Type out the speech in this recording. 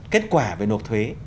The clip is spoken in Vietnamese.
kết quả về nộp thuế